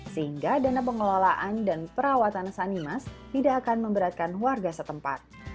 sehingga dana pengelolaan dan perawatan sanimas tidak akan memberatkan warga setempat